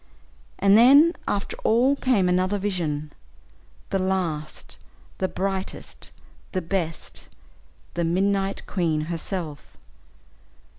And then after all came another vision, "the last, the brightest, the best the Midnight Queen," herself.